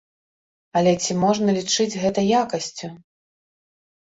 Але ці можна лічыць гэта якасцю.